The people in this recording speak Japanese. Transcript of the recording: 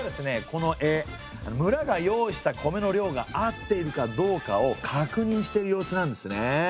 この絵村が用意した米の量が合っているかどうかをかくにんしている様子なんですね。